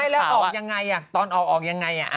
ไม่แล้วออกอย่างไรตอนออกออกอย่างไร